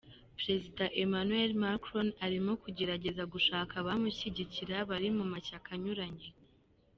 Perezida Emmanuel Macron arimo kugerageza gushaka abamushyigikira bari mu mashyaka anyuranye.